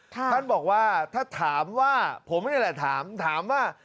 ท่านบอกว่าถ้าถามว่าผมนี่แหละถามถามว่า